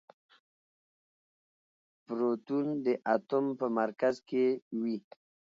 پروتون د اتوم په مرکز کې وي.